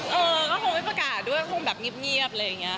เออก็คงไม่ประกาศด้วยคงแบบเงียบอะไรอย่างนี้